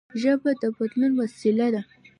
ژبه د بدلون وسیله ده.